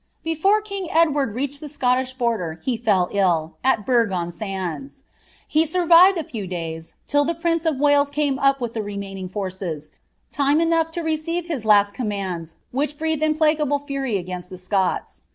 Before king Edward rwiched the Scottish bonier he fell ill, m Barfi on Sands. He gurrived a firvr days, till the prince or Wales ramr up with the remaining forces, time enough to recfire his tasl comnnftK which breathed implacable fury against the Scots.